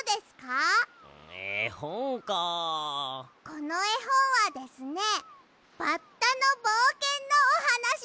このえほんはですねバッタのぼうけんのおはなしですよ！